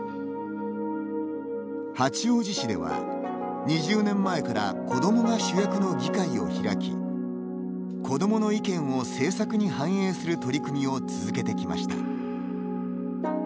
八王子市では２０年前から子どもが主役の議会を開き子どもの意見を政策に反映する取り組みを続けてきました。